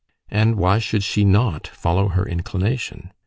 And why should she not follow her inclination?